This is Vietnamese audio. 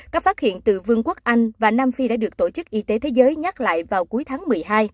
các phát hiện từ vương quốc anh và nam phi đã được tổ chức y tế thế giới nhắc lại vào cuối tháng một mươi hai